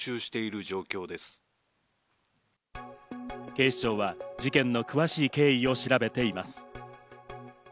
警視庁は事件の詳しい経緯を調べています。